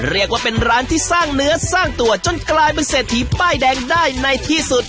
เรียกว่าเป็นร้านที่สร้างเนื้อสร้างตัวจนกลายเป็นเศรษฐีป้ายแดงได้ในที่สุด